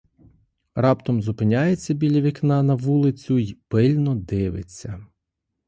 Раптом зупиняється біля вікна на вулицю й пильно дивиться.